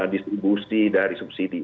distribusi dari subsidi